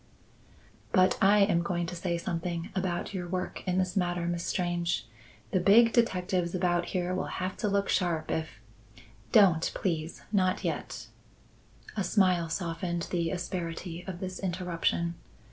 "But I am going to say something about your work in this matter, Miss Strange. The big detectives about here will have to look sharp if " "Don't, please! Not yet." A smile softened the asperity of this interruption.